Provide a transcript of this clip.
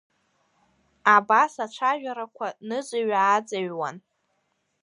Абас ацәажәарақәа ныҵыҩ-ааҵыҩуан.